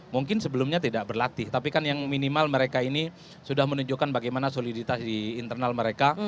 mungkin sebelumnya tidak berlatih tapi kan yang minimal mereka ini sudah menunjukkan bagaimana soliditas di internal mereka